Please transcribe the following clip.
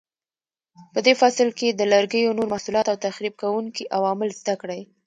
په دې فصل کې د لرګیو نور محصولات او تخریب کوونکي عوامل زده کړئ.